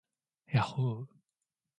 yahhoo